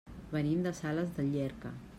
Venim de Sales de Llierca.